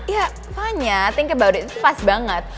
ya vanya think about it itu pas banget